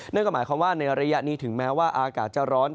นั่นก็หมายความว่าในระยะนี้ถึงแม้ว่าอากาศจะร้อน